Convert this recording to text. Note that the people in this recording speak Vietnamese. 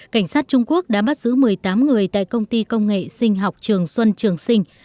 cảnh sát trung quốc đã bắt giữ một mươi tám người tại công ty công nghệ sinh học trường xuân trường sinh